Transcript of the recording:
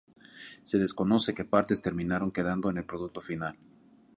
Se desconoce que partes terminaron quedando en el producto final.